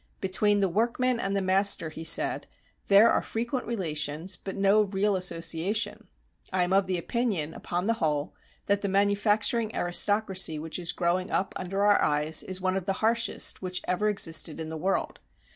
"Between the workman and the master," he said, "there are frequent relations but no real association. ... I am of the opinion, upon the whole, that the manufacturing aristocracy which is growing up under our eyes is one of the harshest which ever existed in the world